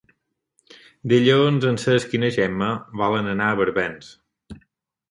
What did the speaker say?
Dilluns en Cesc i na Gemma volen anar a Barbens.